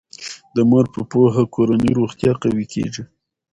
د مور په پوهه کورنی روغتیا قوي کیږي.